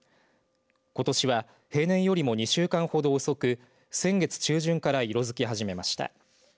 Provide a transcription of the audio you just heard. ことしは平年よりも２週間ほど遅く先月中旬から色づき始めました。